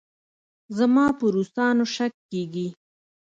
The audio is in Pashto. زما په روسانو شک کېږي.